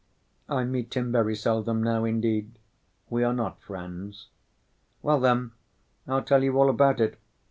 I meet him very seldom now, indeed. We are not friends." "Well, then, I'll tell you all about it.